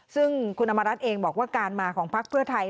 ซึ่งคุณอำมารัฐเองบอกว่าการมาของพักเพื่อไทย